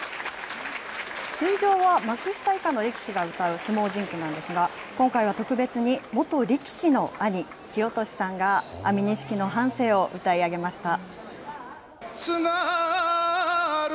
通常は幕下以下の力士が歌う相撲甚句なんですが、今回は特別に、元力士の兄、清寿さんが安美錦の半生を歌い上げました。